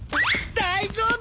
大丈夫！？